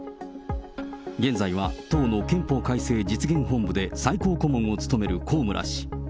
現在は党の憲法改正実現本部で最高顧問を務める高村氏。